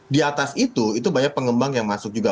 di atas itu itu banyak pengembang yang masuk juga